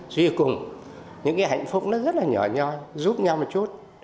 duy cùng những cái hạnh phúc nó rất là nhỏ nhoi giúp nhau một chút